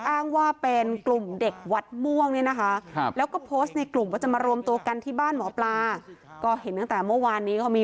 อ้างว่าเป็นกลุ่มเด็กวัดม่วงเนี่ยนะคะแล้วก็โพสต์ในกลุ่มว่าจะมารวมตัวกันที่บ้านหมอปลาก็เห็นตั้งแต่เมื่อวานนี้เขามี